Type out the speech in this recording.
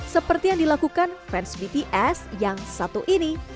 seperti yang dilakukan fans bts yang satu ini